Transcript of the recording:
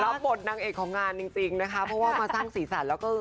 รับบทนางเอกของงานจริงจริงนะคะเพราะว่ามาสร้างสีสันแล้วก็